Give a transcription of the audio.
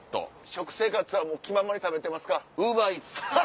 食生活は気ままに食べてますか？